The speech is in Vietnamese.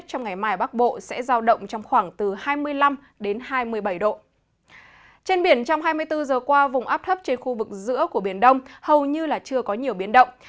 trên biển trong hai mươi bốn giờ qua vùng áp thấp trên khu vực giữa của biển đông hầu như chưa có nhiều biến động